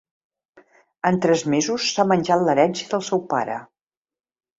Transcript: En tres mesos s'ha menjat l'herència del seu pare.